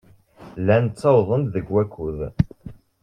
Llan ttawḍen-d deg wakud.